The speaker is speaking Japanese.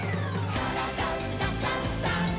「からだダンダンダン」